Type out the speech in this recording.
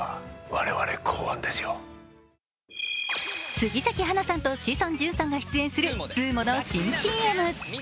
杉咲花さんと志尊淳さんが出演するＳＵＵＭＯの新ＣＭ。